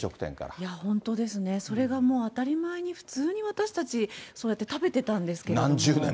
いやー、本当ですね、それが当たり前に、普通に私たち、そうやって食べてたんですけれども。